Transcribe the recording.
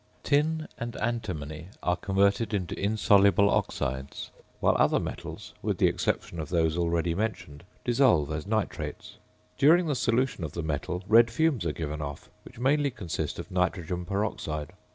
Tin and antimony are converted into insoluble oxides, while the other metals (with the exception of those already mentioned) dissolve as nitrates. During the solution of the metal red fumes are given off, which mainly consist of nitrogen peroxide.